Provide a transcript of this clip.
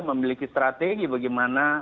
memiliki strategi bagaimana